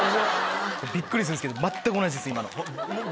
びっくりするんですけど全く同じです今の。